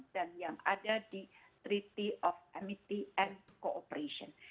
dan yang ada di treaty of amity and cooperation